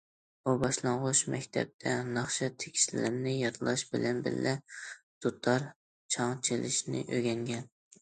ئۇ باشلانغۇچ مەكتەپتە ناخشا تېكىستلىرىنى يادلاش بىلەن بىللە، دۇتار، چاڭ چېلىشنى ئۆگەنگەن.